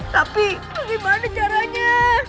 tapi bagaimana caranya